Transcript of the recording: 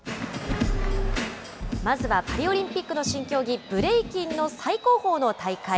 まずはパリオリンピックの新競技、ブレイキンの最高峰の大会。